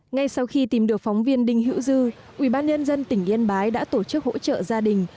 ngay sau khi tìm được phóng viên đinh hữu dư ubnd tỉnh yên bái đã tổ chức hỗ trợ gia đình